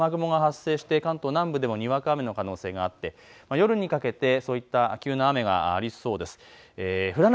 ところどころ雨雲が発生して関東南部はにわか雨の可能性があって夜にかけてそういった急な雨がありそうです。